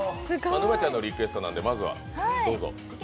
沼ちゃんのリクエストなんでまずは、どうぞ。